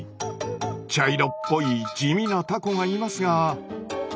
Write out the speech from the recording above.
茶色っぽい地味なタコがいますが。